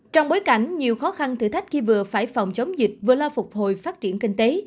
trong bối cảnh nhiều khó khăn thử thách khi vừa phải phòng chống dịch vừa lo phục hồi phát triển kinh tế